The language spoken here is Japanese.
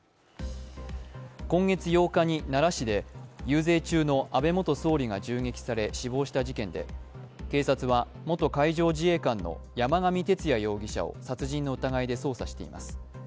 今月８日に奈良市で遊説中の安倍元総理が銃撃され死亡した事件で警察と元海上自衛官の山上徹也容疑者を殺人の疑いで捜査しています。